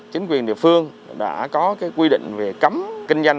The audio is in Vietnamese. chính quyền địa phương đã có quy định về cấm kinh doanh